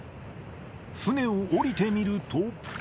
船を降りてみると。